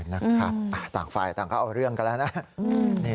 นะครับต่างฝ่ายต่างก็เอาเรื่องกันแล้วนะ